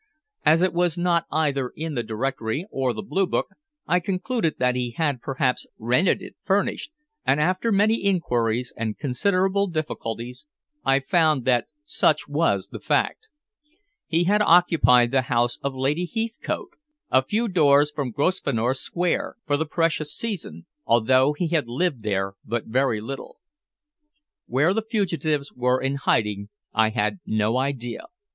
As it was not either in the Directory or the Blue Book, I concluded that he had perhaps rented it furnished, and after many inquiries and considerable difficulties I found that such was the fact. He had occupied the house of Lady Heathcote, a few doors from Grosvenor Square, for the previous season, although he had lived there but very little. Where the fugitives were in hiding I had no idea.